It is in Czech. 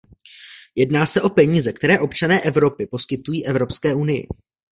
Jedná se o peníze, které občané Evropy poskytují Evropské unii.